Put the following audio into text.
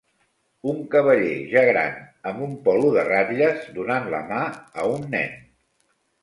Un cavaller ja gran amb un polo de ratlles donant la mà a un nen.